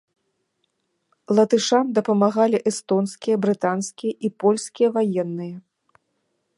Латышам дапамагалі эстонскія, брытанскія і польскія ваенныя.